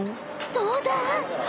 どうだ？